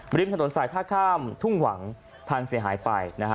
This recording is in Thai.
บริมถนนสายท่าข้ามทุ่งหวังพันธุ์เสียหายไป